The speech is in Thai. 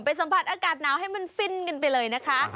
สัมผัสอากาศหนาวให้มันฟินกันไปเลยนะคะ